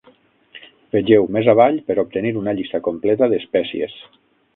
Vegeu més avall per obtenir una llista completa d'espècies.